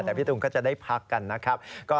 แต่พี่ตูนก็จะได้พักกันนะครับ